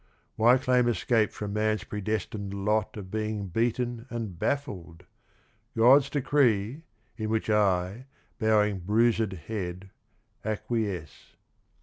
Why claim escape from man's predestined lot Of being beaten and baffled? — God's decree, In which I, bowing bruised head, acquiesce.